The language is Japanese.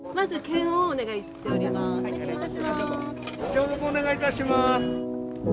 消毒お願いいたします。